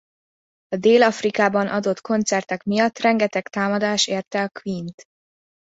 A Dél-Afrikában adott koncertek miatt rengeteg támadás érte a Queent.